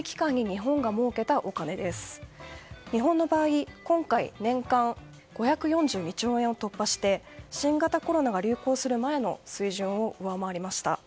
日本の場合、今回年間５４２兆円を突破して新型コロナが流行する前の水準を上回りました。